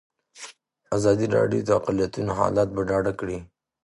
ازادي راډیو د اقلیتونه حالت په ډاګه کړی.